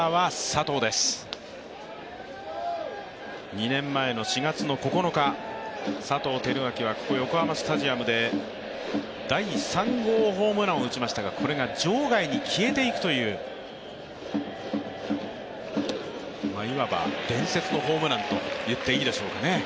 ２年前の４月９日、佐藤輝明はここ横浜スタジアムで第３号ホームランを打ちましたがこれが場外に消えていくといういわば伝説のホームランと言っていいでしょうかね。